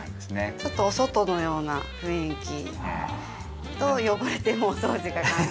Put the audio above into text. ちょっとお外のような雰囲気と汚れてもお掃除が簡単っていう。